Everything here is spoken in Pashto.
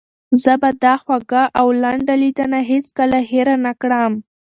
زه به دا خوږه او لنډه لیدنه هیڅکله هېره نه کړم.